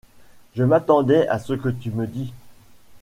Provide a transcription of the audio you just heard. Je m’attendais à ce que tu me dis.